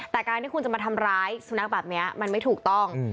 แต่การที่คุณจะมาทำร้ายสุนัขแบบนี้มันไม่ถูกต้อง